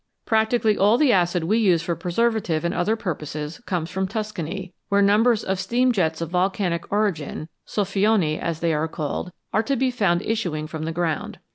Practically all the acid we use for preservative and other purposes comes from Tuscany, where numbers of steam jets of volcanic origin soffioni, as they are called are to be found issuing from the ground.